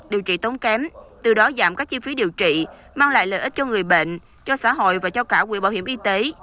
điều trị tốn kém từ đó giảm các chi phí điều trị mang lại lợi ích cho người bệnh cho xã hội và cho cả quỹ bảo hiểm y tế